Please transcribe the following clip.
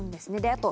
あと。